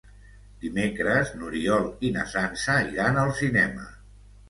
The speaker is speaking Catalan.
Dimecres n'Oriol i na Sança iran al cinema.